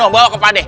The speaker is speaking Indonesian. bawa ke pak deh